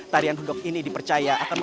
tarian hudok ini dipercaya akan